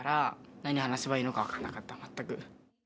何話せばいいのか分かんなかった全く。